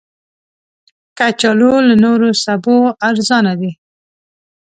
کچالو له نورو سبو ارزانه دي